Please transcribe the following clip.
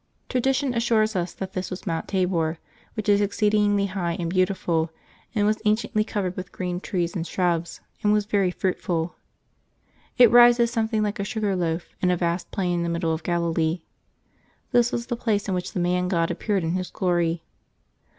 Tradition assures us that this was Mount Thabor, which is exceedingly high and beauti ful, and was anciently covered with green trees and shrubs, and was very fruitful. It rises something like a sugar loaf, in a vast plain in the middle of Galilee. This was the place in which the Man G^d appeared in His glory.